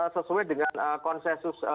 sesuai dengan konsensus